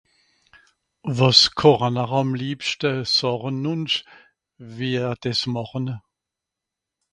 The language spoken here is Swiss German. wàs koche-n-r àm liebschte ? Sàhn uns, wie ihr diss màchen